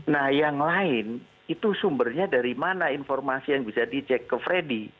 nah yang lain itu sumbernya dari mana informasi yang bisa dicek ke freddy